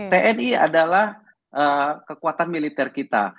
tni adalah kekuatan militer kita